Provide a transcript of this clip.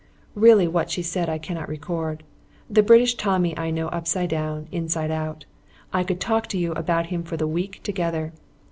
Really what she said I cannot record. The British Tommy I know upside down, inside out. I could talk to you about him for the week together.